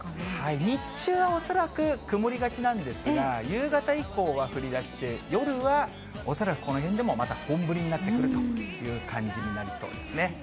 日中は恐らく曇りがちなんですが、夕方以降は降りだして、夜は、恐らくこの辺でもまた本降りになってくるという感じになりそうですね。